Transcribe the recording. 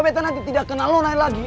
bete nanti tidak kenal lo lagi